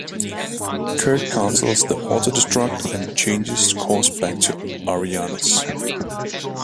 Kirk cancels the auto-destruct and changes course back to Ariannus.